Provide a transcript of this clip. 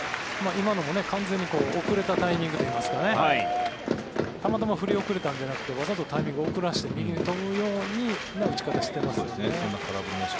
今のも完全に遅れたタイミングといいますかたまたま振り遅れたんじゃなくてわざとタイミングを遅らせて右に飛ぶような打ち方してますね。